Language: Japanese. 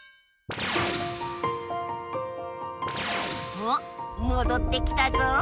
おっもどってきたぞ。